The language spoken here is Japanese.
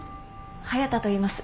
隼田といいます。